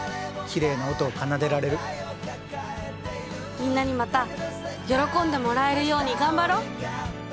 みんなにまた喜んでもらえるように頑張ろう！